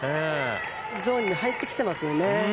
ゾーンに入ってきてますよね。